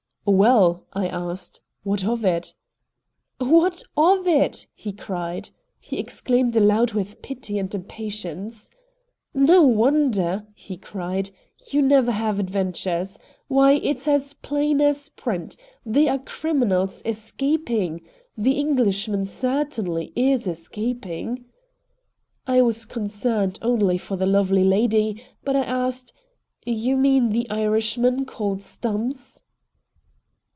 "Well," I asked, "what of it?" "What of it?" he cried. He exclaimed aloud with pity and impatience. "No wonder," he cried, "you never have adventures. Why, it's plain as print. They are criminals escaping. The Englishman certainly is escaping." I was concerned only for the lovely lady, but I asked: "You mean the Irishman called Stumps?"